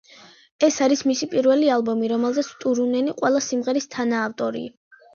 ეს არის მისი პირველი ალბომი, რომელზეც ტურუნენი ყველა სიმღერის თანაავტორი.